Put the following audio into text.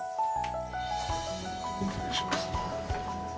失礼します。